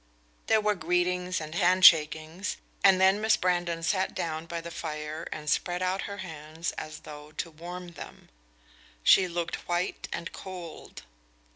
There were greetings and hand shakings, and then Miss Brandon sat down by the fire and spread out her hands as though to warm them. She looked white and cold.